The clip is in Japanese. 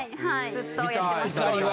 ずっとやってます。